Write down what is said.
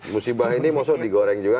musibah ini masuk digoreng juga